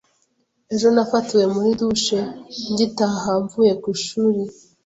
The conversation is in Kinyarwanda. Ejo nafatiwe muri douche ngitaha mvuye ku ishuri.